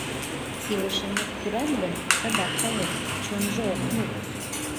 Илышынек кӱрат гын, садак палет, чонжо ок лек.